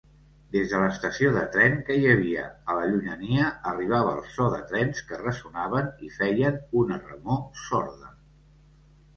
Des de l'estació de tren que hi havia a la llunyania arribava el so de trens que ressonaven i feien una remor sorda.